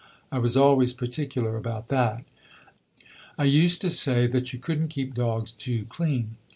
I was always particular about that. I used to say that you couldn't keep dogs too clean.